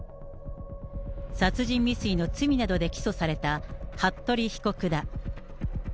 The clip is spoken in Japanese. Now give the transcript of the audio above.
殺人未遂の罪などで起訴された服部被告だ。